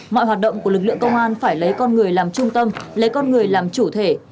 mọi hoạt động của lực lượng công an phải lấy con người làm trung tâm lấy con người làm chủ thể